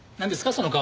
その顔。